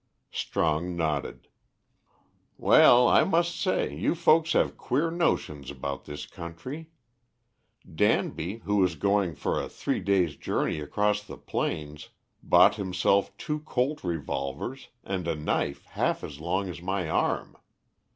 Strong nodded. "Well, I must say you folks have queer notions about this country. Danby, who was going for a three days' journey across the plains, bought himself two Colts revolvers, and a knife half as long as my arm.